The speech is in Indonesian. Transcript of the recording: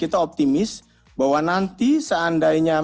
kita optimis bahwa nanti seandainya memang kebijakan relaksasi itu tersisa